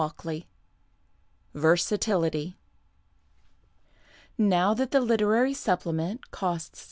•jno VERSATILITY Now that the Literary Supplement costs 6d.